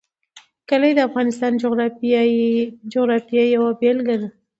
کلي د افغانستان د جغرافیې یوه بېلګه ده.